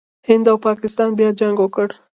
هند او پاکستان بیا جنګ وکړ.